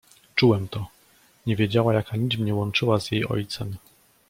"Czułem to: nie wiedziała, jaka nić mię łączyła z jej ojcem."